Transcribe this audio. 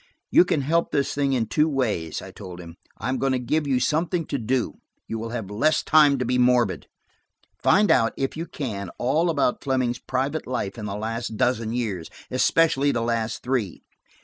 "You can help this thing in two ways," I told him. "I am going to give you something to do: you will have less time to be morbid. Find out, if you can, all about Fleming's private life in the last dozen years, especially the last three.